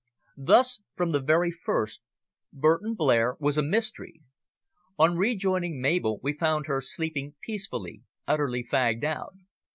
Thus, from the very first, Burton Blair was a mystery. On rejoining Mabel we found her sleeping peacefully, utterly fagged out.